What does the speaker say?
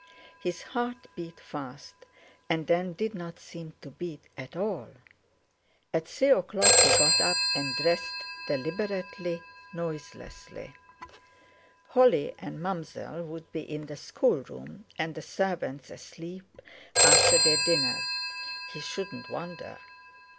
His heart beat fast, and then did not seem to beat at all. At three o'clock he got up and dressed deliberately, noiselessly. Holly and Mam'zelle would be in the schoolroom, and the servants asleep after their dinner, he shouldn't wonder.